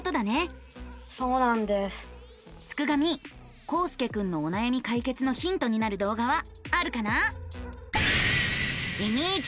すくガミこうすけくんのおなやみ解決のヒントになる動画はあるかな？